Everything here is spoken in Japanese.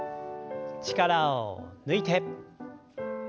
力を抜いて。